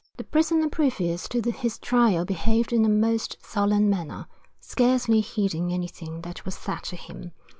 The prisoner previous to his trial behaved in a most sullen manner, scarcely heeding anything that was said to him.